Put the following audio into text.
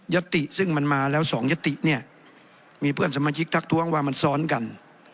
ติซึ่งมันมาแล้วสองยติเนี่ยมีเพื่อนสมาชิกทักท้วงว่ามันซ้อนกัน